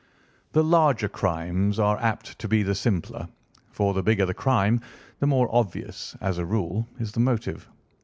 The larger crimes are apt to be the simpler, for the bigger the crime the more obvious, as a rule, is the motive.